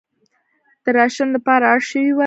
د راشن لپاره اړ شوې وه.